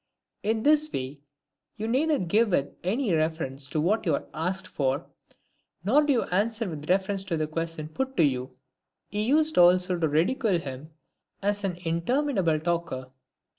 In this way, you neither give with any reference to what you are asked for, nor do you answer with reference to the question put to you." He used also to ridicule him as an interminable talker.